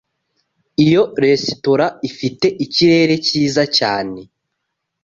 Iyo resitora ifite ikirere cyiza cyane.